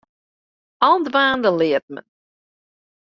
Al dwaande leart men.